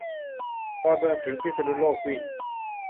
ดอนเมืองถึงพิษณุโลกวิ่ง